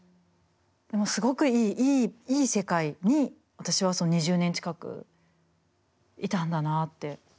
すごくいい世界に私は２０年近くいたんだなって。